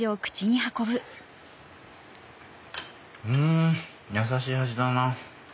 ん優しい味だな。